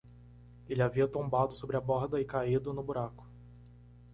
Ele havia tombado sobre a borda e caído no buraco.